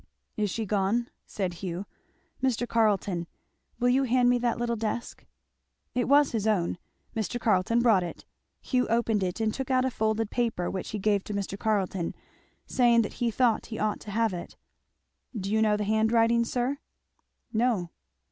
"Is she gone?" said Hugh. "Mr. Carleton, will you hand me that little desk." It was his own. Mr. Carleton brought it. Hugh opened it and took out a folded paper which he gave to Mr. Carleton, saying that he thought he ought to have it. "Do you know the handwriting, sir?" "No."